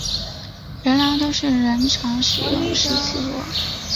仁良都人常使用石岐话。